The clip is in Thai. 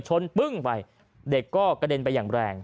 ปึ้งไปเด็กก็กระเด็นไปอย่างแรง